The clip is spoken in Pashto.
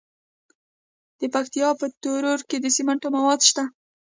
د پکتیکا په تروو کې د سمنټو مواد شته.